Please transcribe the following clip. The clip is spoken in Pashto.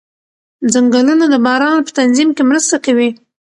ځنګلونه د باران په تنظیم کې مرسته کوي